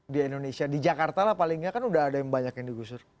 di indonesia di jakarta lah paling nggak kan udah ada yang banyak yang digusur